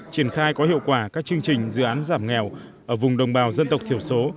triển khai có hiệu quả các chương trình dự án giảm nghèo ở vùng đồng bào dân tộc thiểu số